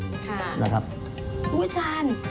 อุ๊ยอาจารย์